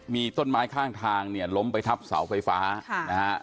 มีต้นไม้ข้างทางเนี่ยล้มไปทับเสาไฟฟ้านะฮะ